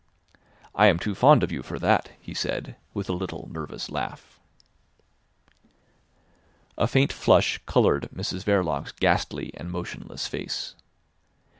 "I am too fond of you for that," he said, with a little nervous laugh. A faint flush coloured Mrs Verloc's ghastly and motionless face.